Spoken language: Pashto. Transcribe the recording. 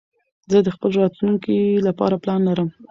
زه د خپل راتلونکي لپاره پلان لرم.